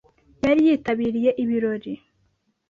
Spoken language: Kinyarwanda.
Yari yitabiriye ibirori.